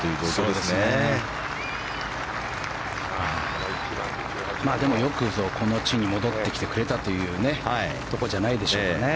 でも、よくぞこの地に戻ってきてくれたというところじゃないでしょうかね。